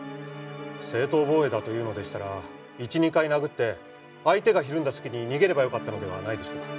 正当防衛だというのでしたら１２回殴って相手がひるんだ隙に逃げればよかったのではないでしょうか？